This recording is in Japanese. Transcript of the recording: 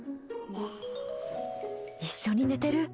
一緒に寝てる。